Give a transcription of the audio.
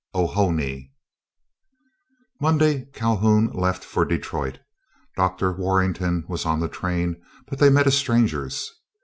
OHO NE! Monday Calhoun left for Detroit. Dr. Warrenton was on the train, but they met as strangers.